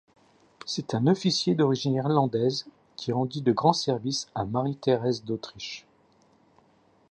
C'est un officier d'origine irlandaise qui rendit de grands services à Marie-Thérèse d'Autriche.